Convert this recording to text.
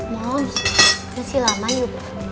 mom masih lama yuk